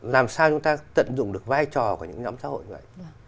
làm sao chúng ta tận dụng được vai trò của những nhóm xã hội như vậy